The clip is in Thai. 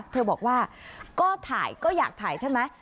เธอบอกว่าก็ถ่ายก็อยากถ่ายใช่ไหม